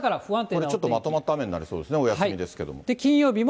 これ、ちょっとまとまった雨になりそうですね、お休みですけれども。